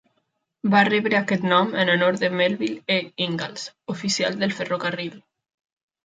Va rebre aquest nom en honor de Melville E. Ingalls, oficial del ferrocarril.